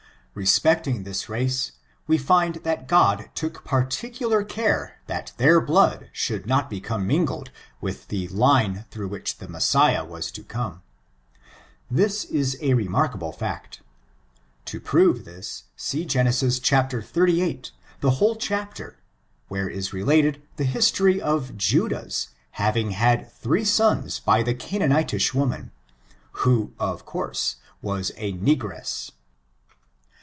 Respecting this race, we find that God took partic ular care that their blood should not become mingled with the line through which the Messiah was to come. This is a remarkable fact To prove this, see Gren. ntrviii, the whole chapter, where is related the his tory of JttdaKs having had three sons by a Canaan itish woman, who, of course, was a negress.